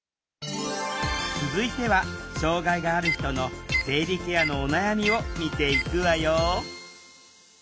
続いては障害がある人の生理ケアのお悩みを見ていくわよ。